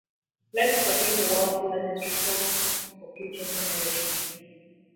Let’s protect the world’s largest resource for future generations.